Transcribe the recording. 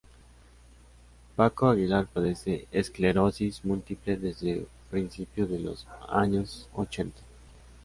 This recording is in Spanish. Paco Aguilar padece esclerosis múltiple desde principio de los años ochenta.